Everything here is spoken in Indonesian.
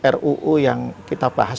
ruu yang kita bahas